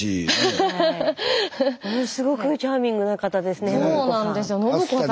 ものすごくチャーミングな方ですね信子さん。